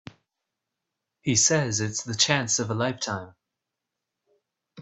He says it's the chance of a lifetime.